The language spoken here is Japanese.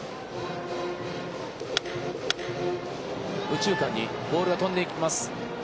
右中間にボールが飛んでいきます。